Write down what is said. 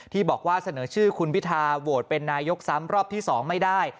ที่บอกว่าเสนอชื่อคุณพิทาโหวตเป็นนายกซ้ำรอบที่๒ไม่ได้